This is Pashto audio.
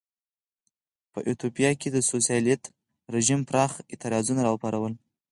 په ایتوپیا کې د سوسیالېست رژیم پراخ اعتراضونه را وپارول.